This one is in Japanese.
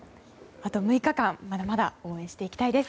あと６日間まだまだ応援していきたいです。